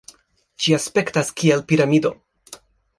Ĝi aspektas kiel piramido.